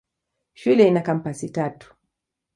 Shule ina kampasi tatu.